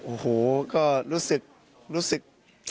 โอ้โฮก็รู้สึก